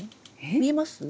見えます？え？